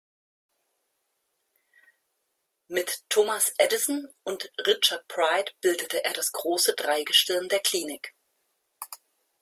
Mit Thomas Addison und Richard Bright bildete er das große Dreigestirn der Klinik.